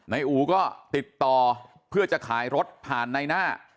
อู๋ก็ติดต่อเพื่อจะขายรถผ่านในหน้า